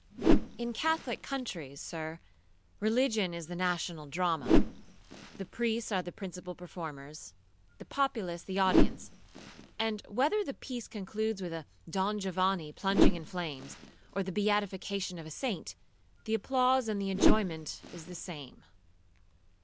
'In Catholic countries, Sir, religion is the national drama; the priests are the principal performers, the populace the audience; and whether the piece concludes with a 'Don Giovanni' plunging in flames, or the beatification of a saint, the applause and the enjoyment is the same.